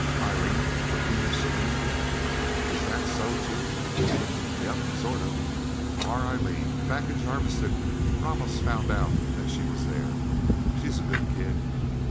"Eileen, the Queen of Serene? Gimp! is that so, too?" "Yep sort of. Our Eileen. Back in Jarviston, Ramos found out that she was there. She's a good kid.